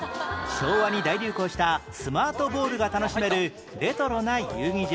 昭和に大流行したスマートボールが楽しめるレトロな遊技場